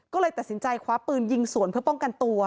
ก็เลยตัดสินใจคว้าปืนยิงสวนเพื่อป้องกันตัว